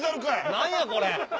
何やこれ！